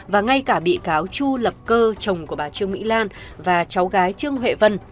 và ngay cả bị cáo chu lập cơ chồng của bà trương mỹ lan và cháu gái trương huệ vân